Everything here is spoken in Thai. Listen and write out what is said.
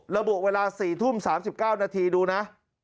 ระบุเวลา๔ทุ่ม๓๙นาทีดูนะ